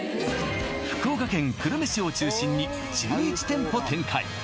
福岡県久留米市を中心に１１店舗展開